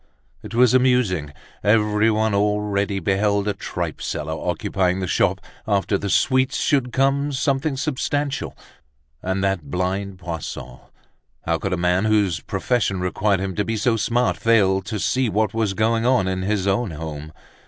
it was amusing, everyone already beheld a tripe seller occupying the shop; after the sweets should come something substantial. And that blind Poisson! How could a man whose profession required him to be so smart fail to see what was going on in his own home?